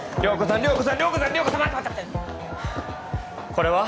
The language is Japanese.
これは？